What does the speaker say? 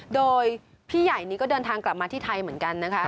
โดยพี่ใหญ่นี้ก็เดินทางกลับมาที่ไทยเหมือนกันนะคะ